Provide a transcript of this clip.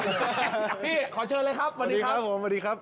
พี่ขอเชิญเลยครับสวัสดีครับผมสวัสดีครับ